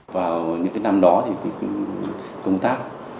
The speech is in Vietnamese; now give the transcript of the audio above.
vào những năm đó thì công tác